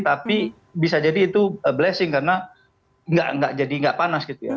tapi bisa jadi itu blessing karena nggak jadi nggak panas gitu ya